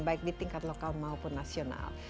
baik di tingkat lokal maupun nasional